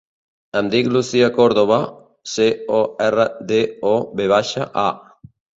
Em dic Lucía Cordova: ce, o, erra, de, o, ve baixa, a.